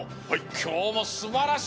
きょうもすばらしかった。